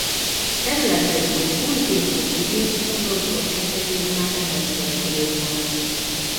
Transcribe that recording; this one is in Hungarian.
Területén az újkőkor végén és a bronzkor kezdetén már emberi település állt.